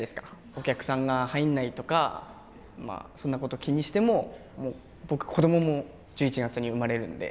お客さんが入んないとかそんなこと気にしても僕子どもも１１月に生まれるんで。